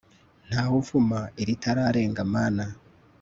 ntawe uvuma iritararenga mama